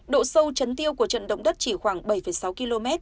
độ sâu chấn tiêu của trận động đất chỉ khoảng bảy sáu km